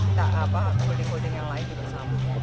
kita holding holding yang lain juga